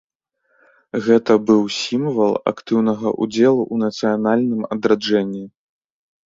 Гэта быў сімвал актыўнага ўдзелу ў нацыянальным адраджэнні.